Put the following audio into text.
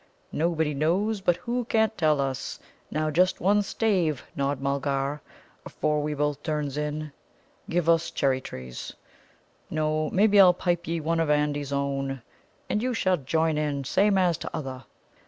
Nobody knows, but who can't tell us. Now, just one stave, Nod Mulgar, afore we both turns in. Give us 'Cherry trees.' No, maybe I'll pipe ye one of Andy's Own, and you shall jine in, same as t'other."